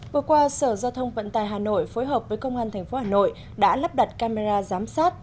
vừa qua sở giao thông vận tài hà nội phối hợp với công an tp hà nội đã lắp đặt camera giám sát